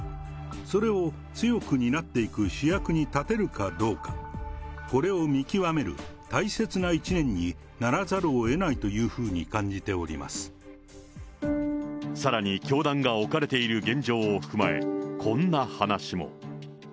それを強く担っていく主役に立てるかどうか、これを見極める大切な一年にならざるをえないというふうに感じてさらに、教団が置かれている現状を踏まえ、こんな話も。